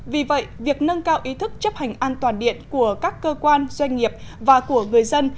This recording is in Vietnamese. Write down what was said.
vì vậy việc nâng cao ý thức chấp hành an toàn điện của các cơ quan doanh nghiệp và của người dân